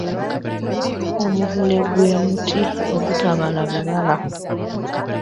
Omuvule gwe muti ogutabala bibala.